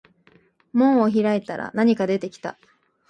門を開いたら何か出てきた